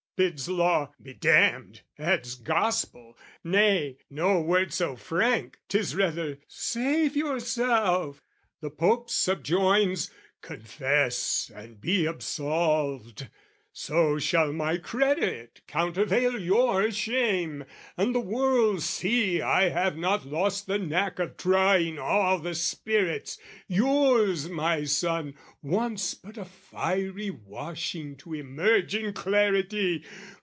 Bids Law "Be damned!" adds Gospel, nay, No word so frank, 'tis rather, "Save yourself!" The Pope subjoins "Confess and be absolved! "So shall my credit countervail your shame, "And the world see I have not lost the knack "Of trying all the spirits, yours, my son, "Wants but a fiery washing to emerge "In clarity!